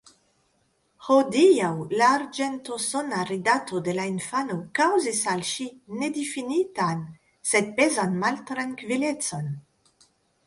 Hodiaŭ la arĝentosona ridado de la infano kaŭzis al ŝi nedifinitan, sed pezan maltrankvilecon.